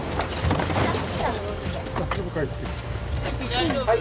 大丈夫か？